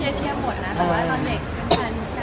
อยากขอบ้านแล้วก็